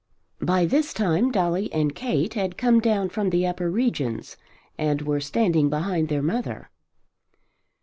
By this time Dolly and Kate had come down from the upper regions and were standing behind their mother.